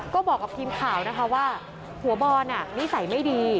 ก็บอกกับทีมข่าวนะคะว่าหัวบอลนิสัยไม่ดี